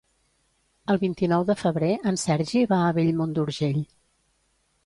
El vint-i-nou de febrer en Sergi va a Bellmunt d'Urgell.